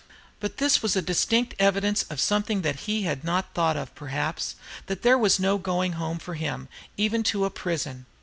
But this was a distinct evidence of something he had not thought of, perhaps, that there was no going home for him, even to a prison.